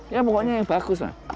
ya pokoknya yang bagus lah